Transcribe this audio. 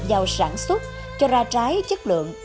giao sản xuất cho ra trái chất lượng